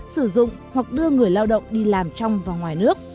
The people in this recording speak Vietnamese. sử dụng hoặc đưa người lao động đi làm trong và ngoài nước